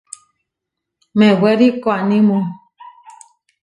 Mewéri koanímu.